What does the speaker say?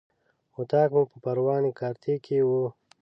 اطاق مو په پروان کارته کې و.